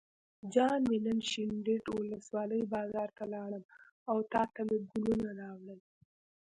جان مې نن شینډنډ ولسوالۍ بازار ته لاړم او تاته مې ګلونه راوړل.